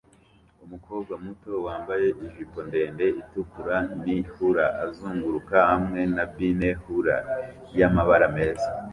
Umukobwa muto wambaye ijipo ndende itukura ni hula azunguruka hamwe na bine hula yamabara meza